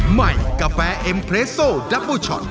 ใหม่กาแฟเอ็มเรสโซดับเบอร์ช็อต